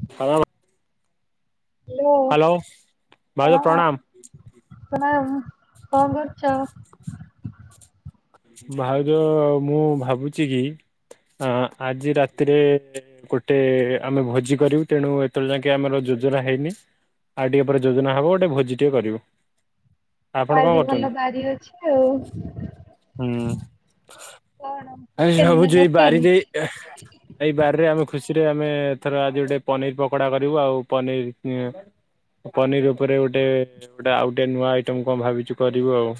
[unintelligible] Hello, hello ଭାଉଜ ହଁ, ପ୍ରଣାମ ପ୍ରଣାମ। କଣ କରୁଛ? [inaudible] ଭାଉଜ ମୁଁ ଭାବୁଛି କି ହଁ, ଆଜି ରାତିରେ ଗୋଟେ ଆମେ ଭୋଜି କରିବୁ ତେଣୁ ଏତଳ ଯାଙ୍କେ ଆମର ଯୋଜନା ହେଇନି। ଆଉ ଟିକେ ପରେ ଯୋଜନା ହବ ଗୋଟେ ଭୋଜି ଟେ କରିବୁ। ଆପଣ କଣ ଆଜି ଭଲ କରୁଛନ୍ତି? ବାରି ଅଛି ଆଉ କଣ। ଏ ଚିକେନ ନା ସବୁଛି ମଟନ? ବାରିରେ ଏ ଏଇ ବାରି ରେ ଆମେ ଖୁସିରେ ଆମେ ଥରେ ଆଜି ଗୋଟେ ପନିର ପକୋଡା କରିବୁ ଆଉ ପନିର ଇ ପନିର୍ ଉପରେ ଗୋଟେ, ଗୋଟେ ଆଉ ଗୋଟେ ନୂଆ ଆଇଟମ୍ କଣ ଭାବିଛୁ କରିବୁ ଆଉ।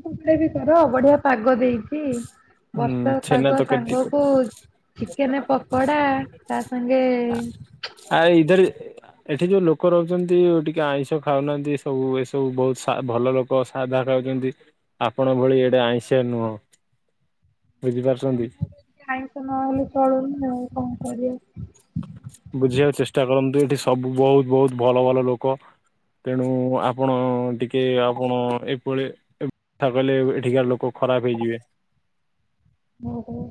[unintelligible] କର ବଢିଆ ପାଗ ଦେଇଛି ହୁଁ ବର୍ଷା ଛେନା ପାଗ ତରକାରୀ ଟିକେ କରିବୁ। ସାଙ୍ଗକୁ ଚିକେନ ପକଡା ତା ସାଙ୍ଗେ ଆ ଇଧର୍ ଏଠି ଯୋଉ ଲୋକ ରହୁଛନ୍ତି, ଟିକେ ଆଇଁଷ ଖାଉନାହାନ୍ତି ସବୁ ଏସବୁ ବହୁତ ସା ଭଲ ଲୋକ। ତ ସାଧା ଖାଉଛନ୍ତି ଆପଣ ଭଳି ଏଡେ ଆଇଁଷିଆ ନୁହଁ। ବୁଝି ଆମ ପାରୁଛନ୍ତି। ଆଇଁଷ ନହଲେ ଚଳୁନି ଆଉ କଣ କରିବା। ବୁଝିବାକୁ ଚେଷ୍ଟା କରନ୍ତୁ ଏଠି ସବୁ ବହୁତ ବହୁତ ଭଲ, ଭଲ ଲୋକ। ତେଣୁ ଆପଣ ଟିକେ ଆପଣ ଏଭଳି ତା ବେଲେ ଏଠିକାର ଲୋକ ଖରାପ ହେଇଯିବେ। ହୁଁ, ହୁଁ।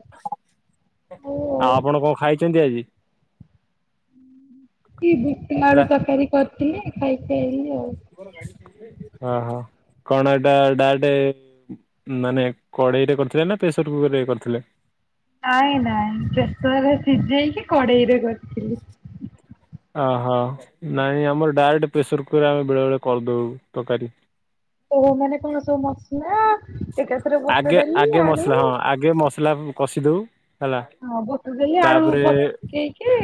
ଆଉ ଆପଣ କଣ ଖାଇଛନ୍ତି ଆଜି? କି ବୁଟ ରା ଆଳୁ ତରକାରୀ କରିଥିଲି ଖାଇକି ଆଇଲି ଆଉ। ହଁ, ହଁ କଣ ଏଟା ଡାଏଟ ମାନେ କଡ଼େଇ ରେ କରିଥିଲେ ନା ପ୍ରେସର କୁକରରେ କରିଥିଲେ। ନାଇଁ ନାଇଁ ପ୍ରେସରରେ ସିଝେଇକି କଡେଇରେ କରିଥିଲି। ଓହୋ ନାଇଁ ଆମର ଡାଇରେକ୍ଟ ପ୍ରେସର କୁକୁର୍ ଆମେ ବେଳେ ବେଳେ କରିଦଉ ତରକାରୀ। ଓ ମାନେ କଣ ସବୁ ମସଲା ଏକାଥରେ ବୁଟଡାଲି ଆଳୁ ଏ ମସଲାକୁ କଷି ଦଉ। ହେଲା ହଁ ବୁଟଡାଲି ଆଳୁ ତାପରେ ପକେଇକି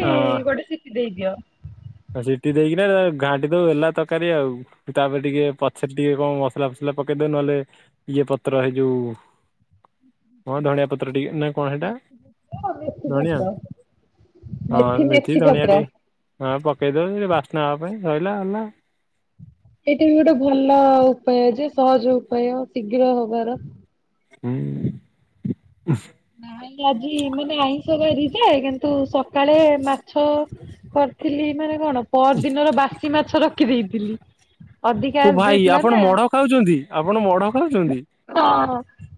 ଗୋଟେ ସିଟି ଦେଇଦିଅ। ଆଉ ସିଟି ଦେଇକିନା ଘାଣ୍ଟି ଦଉ ହେଲା ତରକାରୀ ଆଉ ତାପରେ ଟିକେ ପଛରେ ଟିକେ କଣ ମସଲା ଫସଲା ପକେଇଦେ ନହେଲେ ଇଏ ପତ୍ର ହେଇଯୋଉ ହଁ ଧଣିଆ ପତ୍ର ଟିକେ ନା କଣ ହେଟା ମେଥି ଧଣିଆ ପତ୍ର ହଁ ମେଥି ଧଣିଆ ଟିକେ ହଁ ପକେଇଦବୁ ବାସ୍ନା ହେବା ପାଇଁ ରହିଲା ହେଲା। ଏଇଟା ବି ଗୋଟେ ଭଲ ଉପାୟ ଯେ ସହଜ ଉପାୟ ଶୀଘ୍ର ହବାର। [inaudible] ନାଇଁ ଆଜି ମାନେ ଆଇଁଷ ବାରିଯେ କିନ୍ତୁ ସକାଳେ ମାଛ କରିଥିଲି ମାନେ କଣ ପହର ଦିନର ବାସି ମାଛ ରଖି ଦେଇଥିଲି। ହୋ ଭାଇ ଆପଣ ମଢ ଖାଉଛନ୍ତି ଆପଣ ମଢ ଖାଉଛନ୍ତି। ହଁ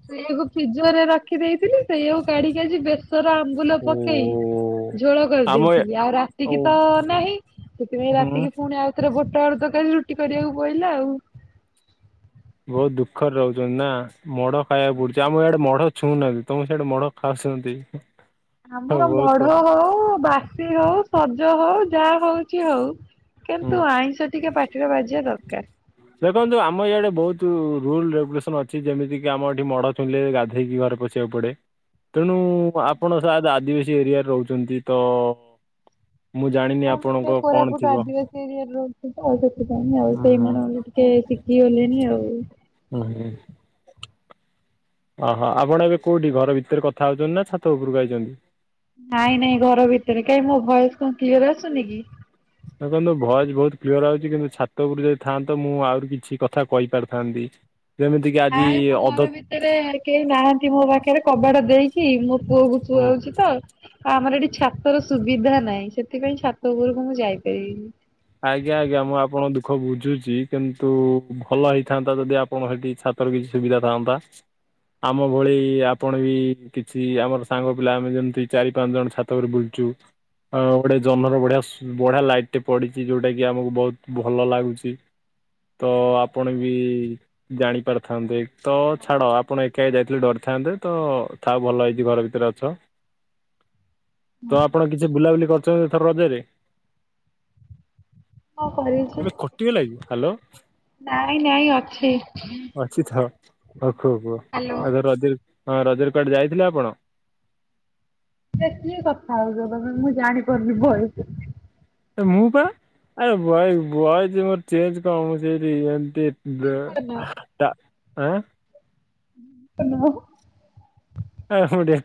ସେଇଆକୁ ଫ୍ରିଜରେ ରଖିଦେଇଥିଲି। ସେଇଆକୁ କାଢି ଆଜି ବେସର ଆମ୍ବୁଲ ଓ ପକେଇ ଝୋଳ ଆମ ଏ କରିଦେଇଥିଲି ଆଉ ରାତି ଓ ସେତିକି ତ ନାହିଁ ସେଥିପାଇଁ ହୁଁ ରାତିକି ପୁଣି ଆଉଥରେ ବୁଟ ଆଳୁ ତରକାରୀ ରୁଟି କରିବାକୁ ପଡିଲା ଆଉ। ବହୁତ ଦୁଃଖରେ ରହୁଛନ୍ତି ନା ମଢ ଖାଇବାକୁ ପଡୁଛି ଆମ ଇଆଡେ ମଢ ଛୁଉଁନାବି ତମ ସିଆଡେ ମଢ ଖାଉସନ୍ତି। ଆମର ମଢ ହଉ ବାସି ହଉ ସଜ ହଉ ଯାହା ହଉଛି ହଉ, ହୁଁ କିନ୍ତୁ ଆଇଁଷ ଟିକେ ପାଟିରେ ବାଜିବା ଦରକାର। ଦେଖନ୍ତୁ ଆମ ଇଆଡେ ବହୁତ ରୁଲ ରେଗୁଲେସନ ଅଛି ଯେମିତି କିି ଆମ ଏଠି ମଢ ଛୁଁଇଲେ ଗାଧେଇକି ଘରେ ପସି [unintelligible] ତେଣୁ ଆପଣ ସାୟଦ ଆଦିବାସୀ ଏରିଆରେ ରହୁଛନ୍ତିତ ମୁଁ ଜାଣିନି ହଁ ମୁଁ କଣ କୋରାପୁଟ ଥିବ ଆଦିବାସୀ ଏରିଆରେ ରହୁଛିତ, ସେଥିପାଇଁ ଆଉ ହୁଁ ସେଇ ହୁଁ ମାନଙ୍କ - - ଟିକେ ଶିଖିଗଲିଣିି ଆଉ, [unintelligible] ଅ ହ ଆପଣ ଏବେ କୋଉଠି ଘର ଭିତରେ କଥା ହଉଛନ୍ତି ନା ଛାତ ଉପରକୁ ଆଇଛନ୍ତି। ନାଇଁ ନାଇଁ ଘର ଭିତରେ କାଇ ମୋ ଭୟସ‌ କଣ କ୍ଲିୟର ଆସୁନି କି? [inaudible] ଦେଖନ୍ତୁ ଭଏସ୍ ବହୁତ କ୍ଲିଅର ଆଉଛି କିନ୍ତୁ ଛାତ ଉପରେ ଯଦି ଥାନ୍ତ ମୁଁ ଆହୁରି କିଛି କଥା କହିପାରିଥାନ୍ତି। ଯେମିତିକି ଆଜି ନାଇଁ ମୁଁ ଅଧ ଘର ଭିତରେ କେହି ନାହାନ୍ତି ମୋ ପାଖରେ କବାଡ ଦେଇକି ମୋ ପୁଅକୁ ହଁ ଶୁଆଉଛି ତ। ଆମର ଏଠି ଛାତର ସୁବିଧା ନାହିଁ ସେଥିପାଇଁ ଛାତ ଉପରକୁ ମୁଁ ଯାଇପାରିବିନି। ଆଜ୍ଞା ଆଜ୍ଞା ମୁଁ ଆପଣଙ୍କ ଦୁଃଖ ବୁଝୁଛି କିନ୍ତୁ ଭଲ ହେଇଥାନ୍ତା ଯଦି ଆପଣ- - [unintelligible] ସେଠି ଛାତର କିଛି ସୁବିଧା ଥାଆନ୍ତା। ଆମ ଭଳି ଆପଣ ବି କିଛି ଆମର ସାଙ୍ଗ ପିଲା ଆମେ ଯେମିତି ଚାରି ପାଞ୍ଚ ଜଣ ଛାତ ଛାତଉପରେ ବୁଲୁଚୁ ଗୋଟେ ଜହ୍ନର ବଢିଆ ବଢିଆ ଲାଇଟ ପଡି ଜୋଉଟା କିି ଆମକୁ ବହୁତ ଭଲ ଲାଗୁଛି ତ ଆପଣ ବି, ଜାଣି ପାରିଥାନ୍ତେ ତ ଛାଡ ଆପଣ ଏକା ଯାଇଥିଲେ ଡରିଥାନ୍ତେ ତ, ଥାଅ ଭଲ ହେଇଚି ଘର ଭିତରେ ଅଛ। ତ ଆପଣ କିଛି ବୁଲାବୁଲି କରିଚନ୍ତି ଏଥର ରଜରେ? କଣ କରିଛି ଏ ବେ କଟି ଗଲା କି ହାଲୋ? ନାଇଁ ନାଇ ଅଛି। ଅଛି ଥାଅ ହଉ କୁହ କୁହ ହ୍ୟାଲୋ। ଆଉ ର-ରଜର ହଁ ରଜରେ କୁଆଡେ ଯାଇଥିଲେ ଆପଣ? ସେ କିଏ କଥା ହଉଚ ତମେ ମୁଁ ଜାଣିପାରୁନି ଭଏସ୍। ଏ ମୁଁ ପା ଆରେ ବଏ ବଏ ଯେ ମୋର ଚେଞ୍ଜ କଣ ମୁଁ ସେମତି ଏମତି ଦେ ଜୀବନ ଟା ଏଁ? କ [unintelligible]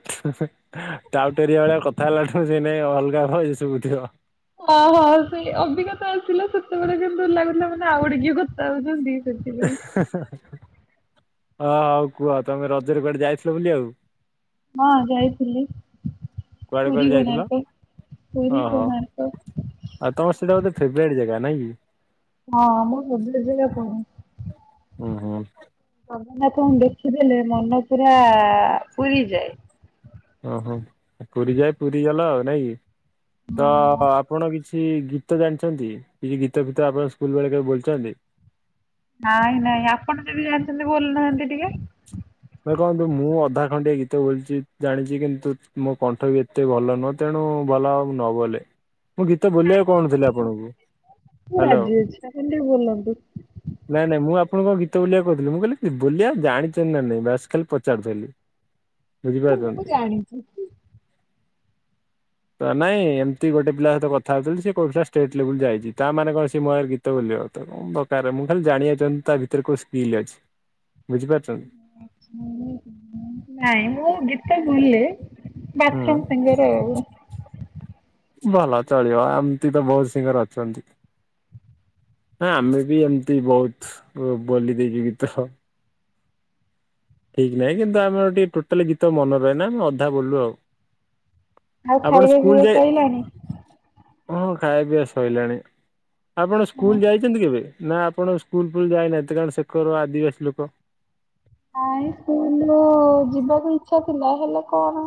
[unintelligible] ଟାଉ ଟରିଆ ଭଳିଆ କଥା ହେଲା ଠୁ ସେଇ ନାଇଁ ଅ ଅଲଗା ଭଏସ୍ ଶୁବୁଥିବ। ଓହୋ ସେଇ ଅବିକା ତ ଆସିଲା ସେତେବେଳେ କିନ୍ତୁ ଲାଗୁଥିଲା ମାନେ ଆଉ ଗୋଟେ କିଏ କଥା ହଉଚନ୍ତି। ହେଁ ହେଁ ହଁ ହଉ କୁହ ତମେ ରଜେରେ କୁଆଡେ ଯାଇଥିଲ ବୁଲିଆକୁ? ହଁ ଯାଇଥିଲି। କୁଆଡେ ପୁରୀ କୁଆଡେ ଯାଇଥିଲ? କୋଣାର୍କ ପୁରୀ ଓହୋ କୋଣାର୍କ। ଆଉ ତମର ସେଇଟା ବୋଧେ ଫେବରାଇଟ ଜାଗା ନାଇଁ କି? ହଁ ମୁଁ ଭୁବନେଶ୍ୱର ରେ ପଢେ। ହୁଁ ହୁଁ। ଜଗନ୍ନାଥଙ୍କୁ ଦେଖି ଦେଲେ ମନ ପୁରା ପୁରିଯାଏ। ଓହୋ ପୁରିଯାଏ ପୁରୀ ଗଲ ଆଉ ନାଇଁ କି ତ ଆପଣ କିଛି କି ଗୀତ ଜାଣିଚନ୍ତି କିଛି ଗୀତ ଫୀତ ଆପଣ ସ୍କୁଲ ବେଳେ କେବେ ବୋଲିଚନ୍ତି? ନାଇଁ ନାଇଁ ଆପଣ ଯଦି ଜାଣିଛନ୍ତି ବୋଲୁ ନାହାନ୍ତି ଟିକେ। ଦେଖନ୍ତୁ ମୁଁ ଅଧା ଖଣ୍ଡିଆ ଗୀତ ବୋଲଚି ଜାଣିଚି କିନ୍ତୁ ମୋ କଣ୍ଠ ବି ଏତେ ଭଲ ନୁହଁ। ତେଣୁ ଭଲ ହବ ନ ବୋଲେ ମୁଁ ଗୀତ ନାଇଁ ବୋଲିଆକୁ କହୁ ଟିକେ ନଥିଲି ବୋଲନ୍ତୁ। ଆପଣଙ୍କୁ ମୁଁ ହାଲୋ। ରାଜି ଅଛି ଆପଣ ଟିକେ ବୋଲନ୍ତୁ ନାଇଁ ନାଇଁ ମୁଁ ଆପଣଙ୍କୁ କଣ ଗୀତ ବୋଲିଆକୁ କହୁଥିଲି ମୁଁ କହିଲି କି ବୋଲିଆ ଜାଣିଚନ୍ତି ନା ନାଇଁ। ବାସ ଖାଲି ପଚାରୁଥେଲି ମୁଁ ବୁଝିପାରୁଚନ୍ତି? ଜାଣିଛି। ତ ନାଇଁ ଏମତି ଗୋଟେ ପିଲା ସହିତ କଥା ହଉଥିଲି ସେ କହୁଥିଲା ଷ୍ଟେଟ ଲେବୁଲ୍ ଯାଇଚି ତା ମାନେ କଣ ସେ ମୋ ଆଗରେ ଗୀ ତ ବୋଲିବ ତ କଣ ଦରକାରେ ମୁଁ ଖାଲି ଜାଣିଆକୁ ଚାହୁଁ ତା ଭିତରେ କୋଉ ସ୍କିଲ୍ ଅଛି ବୁଝିପାରୁଚନ୍। ମୁଁ ମୁଁ ନାଇଁ ମୁଁ ଗୀତ ବୋଲେ ବାଥରୁମ ସିଙ୍ଗର ଆଉ। ଭଲ ଚଳିବ ଏମତି ତ ବହୁତ ସିଙ୍ଗର ଅଛନ୍ତି। ହଁ ଆମେ ବି ଏମତି ବହୁତ ଉ ବୋଲି ଦେଇଚୁ ଗୀତ ସ ଠିକ୍ ନାହିଁ କିନ୍ତୁ ଆମର ଟିକେ ଟୋଟାଲେ ଗୀତ ମନ ରହେନା ଆମେ ଅଧା ବୋଲୁ ଆଉ। ଆଉ ଆପଣ ଖାଇବା ସ୍କୁଲ ପିଇବା ଯାଏ ସଇଲାଣି? ହଁ ଖାଇଆ ପିଆ ସଇଲାଣି ଆପଣ ସ୍କୁଲ ଯାଇଚନ୍ତି କେବେ? ନା ଆପଣ ସ୍କୁଲ ଫୁଲ ଯାଇନାହାନ୍ତି କାରଣ ସେକର ଆଦିବାସୀ ଲୋକ? ନାଇଁ ସ୍କୁଲ ଯିବାକୁ ଇଚ୍ଛା ଥିଲା ହେଲେ କଣ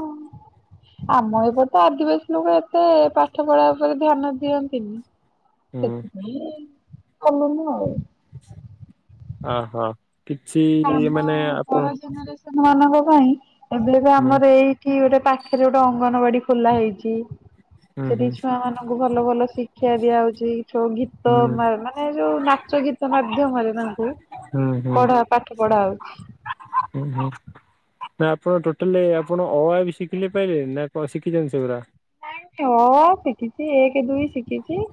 ଆମର ଏପଟେ ତ ଆଦିବାସୀ ଲୋକ ଏତେ ପାଠ ପଢା ଉପରେ ଧ୍ୟାନ ଦିଅନ୍ତିନି। ହୁଁ। ସେଥି ପାଇଁ ପଢଲିନି ଆଉ। ଅ ହୋ କିଛି ଆମ ମାନେ ପର ଆପଣ [unintelligible] ମାନଙ୍କ ପାଇଁ ଏବେ ଏବେ ହୁଁ। ଆମର ଏଇ ଠି ଗୋଟେ ପାଖେରେ ଗୋଟେ ଅଙ୍ଗନବାଡି ଖୋଲା ହେଇଚି ହୁଁ ସେଠି ହୁଁ ଛୁଆ ମାନ ଙ୍କୁ ଭଲ ଭଲ ଶିକ୍ଷା ଦିଆ ହଉଚି ସବୁ ଗୀ ତ ହୁଁ ମା-ମାନେ ଯୋଉ ନାଚ ଗୀତ ମାଧ୍ୟମରେ ତାଙ୍କୁ ହୁଁ ହୁଁ ପଢା ପାଠ ପଢା ହଉଚି। ହୁଁ ହୁଁ। ନା ଆପଣ ଟୋଟାଲି ଆପଣ ଅଆ ବି ଶିଖିଲେ ପାଇଲେ ନା କଣ ଶିଖିଛନ୍ତି ସେଗୁଡା? ହଁ ଅ ଆ ଶିଖିଛି ଏକ ଦୁଇ ଶିଖିଛି।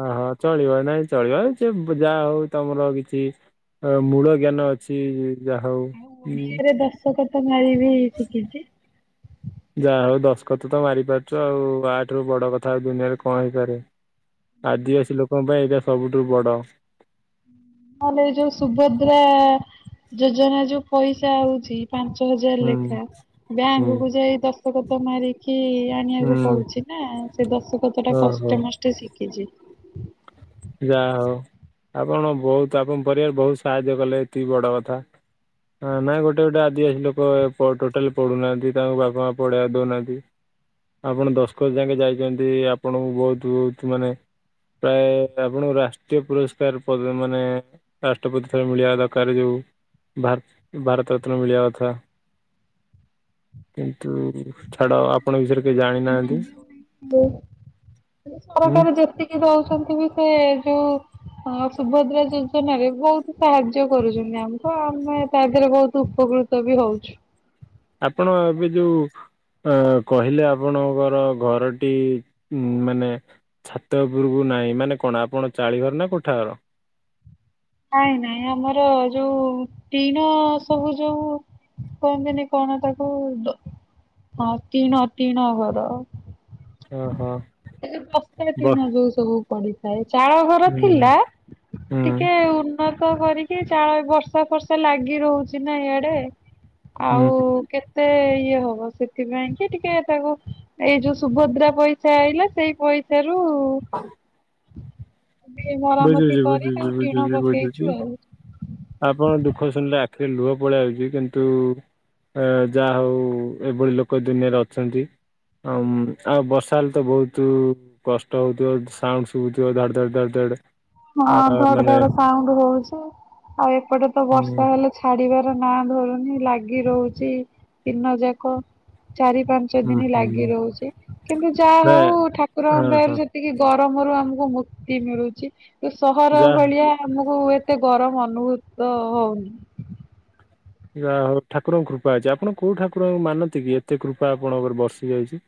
ଓହୋ ଚଳିବ ନାଇଁ ଚଳିବ ସେ ଯାହା ହଉ ତମର କିଛି ଅ ମୂଳ ଜ୍ଞାନ ଅଛି ଯାହା ହଉଁ କିଛି। ଦଶକତ ମାରି ବି ଶିଖିଛି। ଯାହା ହଉ ଦଶକତ ତ ମାରି ପାରୁଛ ଆଉ ଆଠାରୁ ବଡ କଥା ଆଉ ଦୁନିଆରେ କଣ ହେଇପାରେ। ଆଦିବାସୀ ଲୋକଙ୍କ ପାଇଁ ଏଇଟା ସବୁଠୁ ବଡ। ନହେଲେ ଏଇ ଯୋଉ ସୁଭଦ୍ରା ଯୋଜନା ଯୋଉ ପଇସା ହଉଛି। ପାଞ୍ଚ ହଜାରେ ହୁଁ ଲେଖା ହୁଁ ବ୍ୟାଙ୍କ କୁ ଯାଇ ଦଶକତ ମାରି କି ଆଣିବାକୁ ହୁଁ ପଡୁଛି ନା ସେ ଦଶକତ ଟା ଓହୋ। କଷ୍ଟେ ମଷ୍ଟେ ଶିଖିଛି। ଯାହା ହଉ ଆପଣ ବହୁତ ଆପଣ ପରିବାର ବହୁତ ସାହାଯ୍ୟ କଲେ ଏତିକି ବଡ କଥା। ହଁ ନାଇଁ ଗୋଟେ ଗୋଟେ ଆଦିବାସୀ ଲୋକ ଟୋଟାଲ ପଡୁ ନାହାନ୍ତି ତାଙ୍କୁ ବାପା ମା ପଢେଇବାକୁ ଦେଉନାହାନ୍ତି। ଆପଣ ଦଶକତ ଯାକେ ଯାଇଛନ୍ତି ଆପଣଙ୍କୁ ବହୁତହୁତ ମାନେ ପ୍ରାୟ ଆପଣଙ୍କୁ ରାଷ୍ଟ୍ରୀୟ ପୁରସ୍କାର ମାନେ ରାଷ୍ଟ୍ରପତି ଥରେ ମିଳିବା ଦରକାର ଯୋଉ ଭାରତ ଭାରତ ରତ୍ନ ମିିଳିବା କଥା। କିନ୍ତୁ ଛାଡ ଆପଣଙ୍କ ବିଷୟରେ କେହି ଜାଣି ନାହାନ୍ତି। ସରକାର ଯେତିକି ଦଉଛନ୍ତି ବି ସେ ଯୋଉ ହଁ ସୁଭଦ୍ରା ଯୋଜନାରେ ବହୁତ ସାହାଯ୍ୟ କରୁଛନ୍ତି ଆମକୁ ଆମେ ତା ଦେହରେ ବହୁତ ଉପକୃତ ବି ହଉଛି। ଆପଣ ଏବେ ଯୋଉ ଅ କହିଲେ ଆପଣଙ୍କର ଘର ଘରଟି ମାନେ ଛାତଉପୁରକୁ ନାହିଁ ମାନେ କଣ ଆପଣ ଚାଳିଘର ନା କୋଠା ଘର? ନାଇଁ ନାଇଁ ଆମର ଯଉ ଟିଣ ସବୁ ଯୋଉ କୁହନ୍ତିିନି କଣ ତାକୁ ହଁ ଟିଣ ଟିଣ ଘର। ଓହୋ [unintelligible] ବ ଟିଣ ଯଉଁ ସବୁ। ପଡିଥାଏ ଚାଳ ଘର ହୁଁ ଥିଲା ହୁଁ। ଟିକେ ଉନ୍ନତ କରିକି ଚାଳ ବର୍ଷା ଫର୍ଷା ଲାଗି ରହୁଛି ନା ଇଆଡେ ଆଉ ହୁଁ କେତେ ଇଏ ହବ ସେଥିପାଇଁ କି ଟିକେ ତାକୁ ଏଇ ଯୋଉ ସୁଭଦ୍ରା ପଇସା ଆଇଲା ସେଇ ପଇସା ରୁ ଟିକେ ମରାମତି ବୁଝୁଛି କରି ବୁଝୁଛି ତାକୁ ଟିଣ ବୁଝୁଛି ପକେଇଛୁ ବୁଝୁଛି। ଆଉ। ଆପଣ ଦୁଃଖ ଶୁଣିଲେ ଆଖିରେ ଲୁହ ପଳେଇ ଆସୁଛି କିନ୍ତୁ ଅ ଯାହା ହଉ ଏଭଳି ଲୋକ ଏ ଦୁନିଆରେ ଅଛନ୍ତି। ଆଉ ଆଉ ବର୍ଷାହେଲେ ତ ବହୁତ କଷ୍ଟ ହଉଥିବ ସାଉଣ୍ଡ ଶୁଭୁଥିବ ଧାଡ ଧଡ ଧାଡ ଧଡ। ଆ ହଁ ଧଡ ମାନେ ଧଡ ସାଉଣ୍ଡ ହଉଛି ଆଉ ଏପଟେ ତ ହୁଁ ବର୍ଷା ହେଲେ ଛାଡିବାର ନାଁ ଧରୁନି ଲାଗି ରହୁଛି ଦିନ ଯାକ ଚାରି ପାଞ୍ଚ ପାଞ୍ଚ ହୁଁ ଦିନ ଲାଗି ହୁଁ ରହୁଛି କିନ୍ତୁ ଯାହା ନାଇଁ ହଉ ହଁ ଠାକୁରଙ୍କ ହଁ ଦୟାରୁ ସେ ଟିକେ ଗରମରୁ ଆମକୁ ମୁକ୍ତି ମିଳୁଛି ତ ସହର ଯାହା ଭଳିଆ ଆମକୁ ଏତେ ଗରମ ଅନୁଭୂତ ହଉନି। ଯହା ହଉ ଠାକୁରଙ୍କ କୃପା ଅଛି ଆପଣ କୋଉ ଠାକୁରଙ୍କୁ ମାନନ୍ତି କି ଏତେ କୃପା ଆପଣଙ୍କରେ ବର୍ସିି ଯାଇଛି।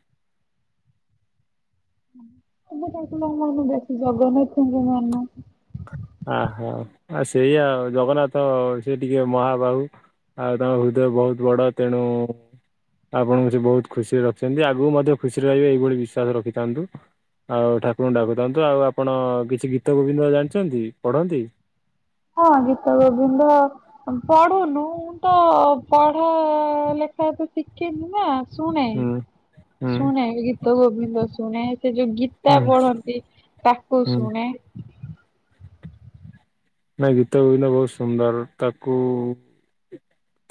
ସବୁ କିସମର ବେଶୀ ଜଗନ୍ନାଥଙ୍କୁ ମାନୁ। ଆହୋ ଆଉ ସେଇଆଉ ଜଗନ୍ନାଥ ସେ ଟିକେ ମହାବାହୁ। ଆଉ ତାଙ୍କ ହୃଦୟ ବହୁତ ବଡ ତେଣୁ ଆପଣଙ୍କୁ ସେ ବହୁତ ଖୁସିରେ ରଖିଛନ୍ତି ଆଗକୁ ମଧ୍ୟ ଖୁସିରେ ରହିବେ ଏଇଭଳି ବିଶ୍ଵାସ ରଖିଥାନ୍ତୁ। ଆଉ ଠାକୁରଙ୍କୁ ଡାକୁଥାନ୍ତୁ ଆଉ ଆପଣ କିଛି ଗୀତ ଗୋବିନ୍ଦ ଜାଣିଛନ୍ତି ପଢନ୍ତି? ହଁ ଗୀତ ଗୋବିନ୍ଦ ପଢୁନୁ ମୁଁ ତ ପଢା ଲେଖା ତ ଶିଖିନି ନା। ଶୁଣେ ହୁଁ ହୁଁ ଶୁଣେ ଗୀତଗୋବିନ୍ଦ ଶୁଣେ ସେ ଯଉ ଗୀତ ଗୀତା ହୁଁ ପଢନ୍ତି ତାକୁ ହୁଁ ଶୁଣେ। ନାଇ ଗୀତଗୋବିନ୍ଦ ବହୁତ ସୁନ୍ଦର ତାକୁ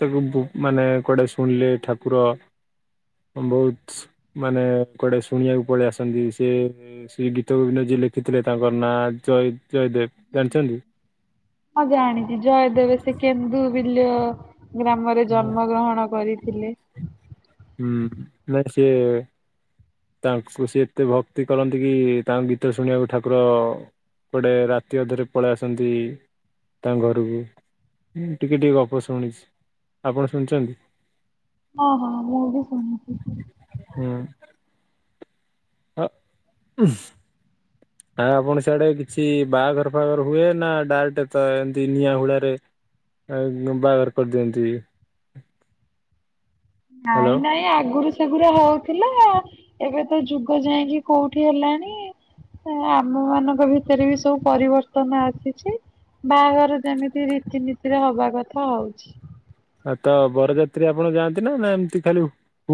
ତାକୁ ମାନେ କୁଆଡେ ଶୁଣିଲେ ଠାକୁର ବହୁତ ମାନେ କୁଆଡେ ଶୁଣିବାକୁ ପଳେଇ ଆସନ୍ତି ସେ ସେ ଗୀତ ଗୋବିନ୍ଦ ଯିଏ ଲେଖିଥିଲେ ତାଙ୍କର ନାଁ ଜୟ ଜୟଦେବ ଜାଣିଛନ୍ତି? ହଁ ଜାଣିଛି ଜୟଦେବ ସେ କେନ୍ଦୁ ବିଲ୍ୟ ଗ୍ରାମରେ ଜନ୍ମ ଗ୍ରହଣ କରିଥିଲେ। ହୁଁ ନା ସିଏ ତାଙ୍କୁ ସିଏ ଏତେ ଭକ୍ତି କରନ୍ତି କି ତାଙ୍କ ଗୀତ ଶୁଣିବାକୁ ଠାକୁର କୁଆଡେ ରାତି ଅଧରେ ପଳେଇ ଆସନ୍ତି ତାଙ୍କ ଘରୁକୁ ଟିକେ ଟିକେ ଗଫ ଶୁଣିଛି। ଆପଣ ଶୁଣିଛନ୍ତି? ହଁ ହଁ ମୁଁ ବି ଶୁଣିଚି। ହୁଁ। ହ ଆ ଆପଣ ସିଆଡେ କିଛି ବାହାଘର ଫାଘର ହୁଏ ନା ଡାଇରେକ୍ଟ ସେମିତି ନିଆଁ ହୁଳାରେ ଆ ବାହାଘର କରିଦିଅନ୍ତି। ହ୍ୟାଲୋ ନାଇଁ ନାଇଁ ଆଗରୁ ସେଗୁରୁ ସେଗୁରା ହୋଉ ଥିଲା ଏବେ ତ ଯୁଗ ଯାଇକି କୋଉଠି ହେଲାଣି। ଆମ ମାନଙ୍କ ଭିତରେ ବି ସବୁ ପରିବର୍ତ୍ତନ ଆସିଛି। ବାହାଘର ଯେମିତି ରୀତିନୀତିରେ ହବା କଥା ହଉଛି। ଆଉ ତ ବରଯାତ୍ରୀ ଆପଣ ଯାଆନ୍ତି ନା ନା ଏମିତି ଖାଲି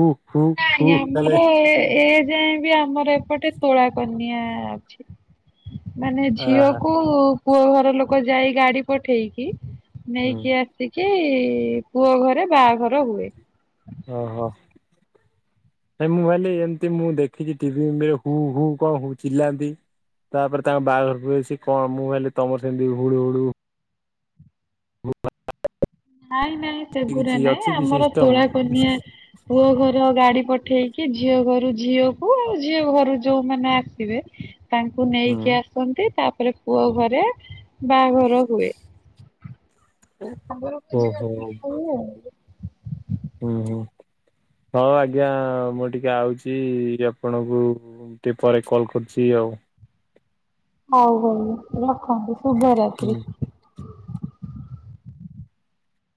ହୁ ହୁ? ହୁ ନାଇଁ ତାହଲେ ଆମର ଏ ଯାଏ ବି ଆମର ଏପଟେ ତୋଳା କନ୍ୟାଆ ଅଛି। ମାନେ ଆହା ଝିଅକୁ ପୁଅ ଘର ଲୋକ ଯାଇ ଗାଡି ପଠେଇକି ହୁଁ ନେଇକି ଆସିକି ପୁଅ ଘରେ ବାହାଘର ହୁଏ। ଓ ହୋ। ନାଇ ମୁଁ ଭାଇଲି ଏମତି ମୁଁ ଦେଖିଛି ଟିଭିରେ ହୁ ହୁ କଣ ହ ଚିଲାନ୍ତି ତାପରେ ତାଙ୍କ ବାହାଘରକୁ ଆସି କଣ ମୁଁ କହିଲି ତମର ସେମିତି ହୁଳୁ ହୁଳୁ [inaudible] ନାଇଁ ନାଇଁ ସେଗୁଡା କିଛି ନାଇଁ ଅଛି କି ଆମର ସିଷ୍ଟମ? ତୋଳା କନ୍ୟା ପୁଅ ଘର ଗାଡି ପଠେଇକି ଝିଅ ଘରୁ ଝିଅକୁ ଆଉ ଝିଅ ଘରୁ ଯୋଉମାନୋନ ଆସିବେ ତାଙ୍କୁ ହୁଁ। ନେଇକି ଆସନ୍ତି ତାପରେ ପୁଅ ଘରେ ବାହାଘର ହୁଏ। ଆଗରକୁ ଯିବା ଓହୋ ଆଉ ଆଉ ହୁଁ ହୁଁ ହଁ ଆଜ୍ଞା ମୁଁ ଟିକେ ଆଉଛି ଆପଣଙ୍କୁ ଟିକେ ପରେ କଲ୍ କରୁଛି ଆଉ। ହଉ ହଉ ରଖନ୍ତୁ ହୁଁ। ଶୁଭରାତ୍ରି।